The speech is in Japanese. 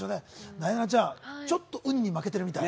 なえなのちゃん、ちょっとウニに負けているみたい。